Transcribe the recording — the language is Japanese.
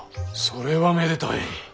それはめでたい。